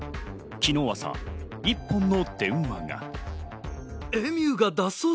昨日朝、一本の電話が。